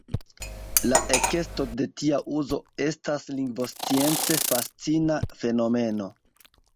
La ekesto de tia uzo estas lingvoscience fascina fenomeno.